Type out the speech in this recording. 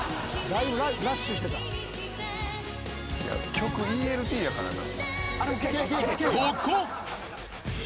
曲ＥＬＴやからな。